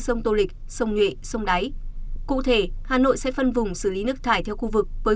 sông tô lịch sông nhuệ sông đáy cụ thể hà nội sẽ phân vùng xử lý nước thải theo khu vực với